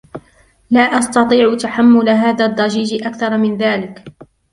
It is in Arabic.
لا أستطيع تحمل هذا الضجيج أكثر من ذلك.